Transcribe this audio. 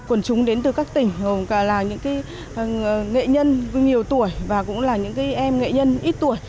quần chúng đến từ các tỉnh gồm cả là những nghệ nhân nhiều tuổi và cũng là những em nghệ nhân ít tuổi